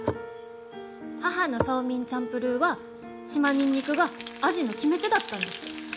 母のソーミンチャンプルーは島ニンニクが味の決め手だったんです。